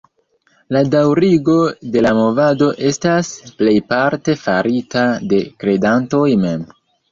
La daŭrigo de la movado estas plejparte farita de kredantoj mem.